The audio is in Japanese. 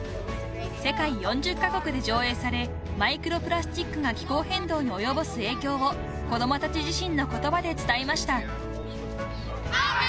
［世界４０カ国で上映されマイクロプラスチックが気候変動に及ぼす影響を子供たち自身の言葉で伝えました］